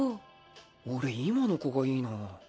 俺今の子がいいな。